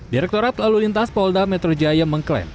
direktorat lalu lintas polda metro jaya mengklaim